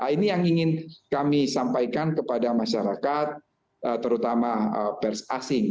ini yang ingin kami sampaikan kepada masyarakat terutama pers asing